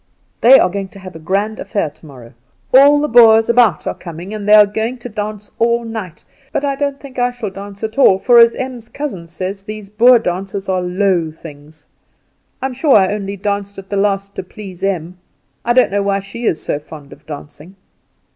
"They are going to have a grand affair tomorrow; all the Boers about are coming, and they are going to dance all night; but I don't think I shall dance at all; for, as Em's cousin says, these Boer dances are low things. I am sure I only danced at the last to please Em. I don't know why she is fond of dancing.